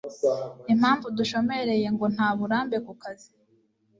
Impamvu dushomereye ngo nta burambe ku kazi